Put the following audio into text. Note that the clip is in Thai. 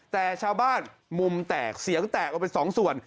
แต่ชาวบ้านมุมแตกเสียงแตกออกไปสองส่วน